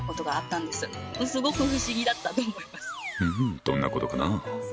うんどんなことかな？